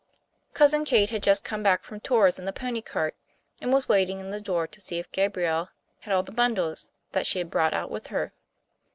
Cousin Kate had just come back from Tours in the pony cart, and was waiting in the door to see if Gabriel had all the bundles that she had brought out with her.